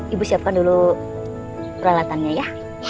ibu siapkan dulu peralatannya ya